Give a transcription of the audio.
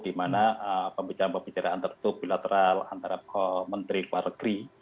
di mana pembicaraan pembicaraan tertutup bilateral antara menteri luar negeri